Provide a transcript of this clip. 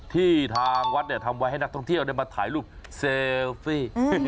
ที่ทางวัดทำไว้ให้นักท่องเที่ยวได้มาถ่ายรูปเซลฟี่